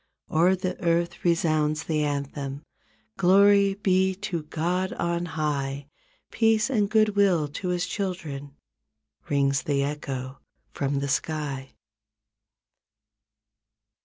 O'er the earth resounds the anthem "Glory be to God on high. Peace and good will to His children" Rings the echo from the sky.